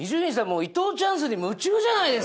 もう伊藤チャンスに夢中じゃないですか。